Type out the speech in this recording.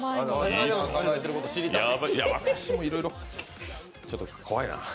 私もいろいろちょっと怖いな。